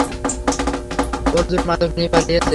অর্জুন মাদক নিয়ে পালিয়েছে।